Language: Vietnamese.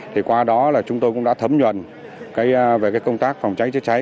thì qua đó là chúng tôi cũng đã thấm nhuần về công tác phòng cháy chữa cháy